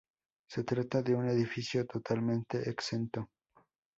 Se trataba de un edificio totalmente exento.